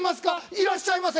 「いらっしゃいませ。